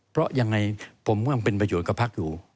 เพราะยังไงผมก็ยังเป็นประโยชน์กับพักอยู่